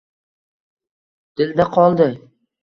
Dilda qoldi…